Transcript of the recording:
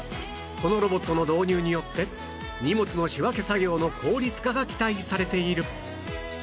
このロボットの導入によって荷物の仕分け作業の効率化が期待されている